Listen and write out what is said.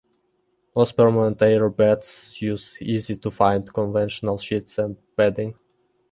Most permanent air beds use easy-to-find conventional sheets and bedding.